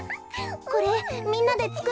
これみんなでつくったの。